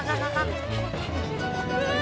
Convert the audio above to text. うわ！